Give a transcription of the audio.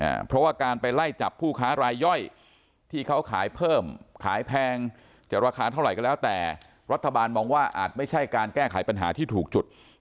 เพราะว่าการไปไล่จับผู้ค้ารายย่อยที่เขาขายเพิ่มขายแพงจะราคาเท่าไหร่ก็แล้วแต่รัฐบาลมองว่าอาจไม่ใช่การแก้ไขปัญหาที่ถูกจุด